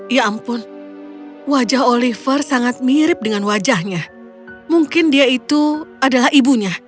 ya ampun wajah oliver sangat mirip dengan wajahnya mungkin dia itu adalah ibunya